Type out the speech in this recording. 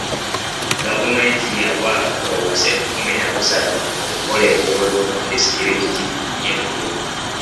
Gavumenti yawa obuse kkumi na busatu okukola enguudo mu disitulikiti y'e Moyo.